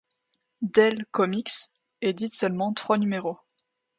Dell Comics édite seulement trois numéros.